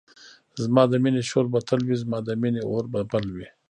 زما د مینی شور به تل وی زما د مینی اور به بل وی